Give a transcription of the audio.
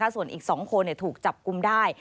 ส่วนอีก๒คนถูกจับกุมได้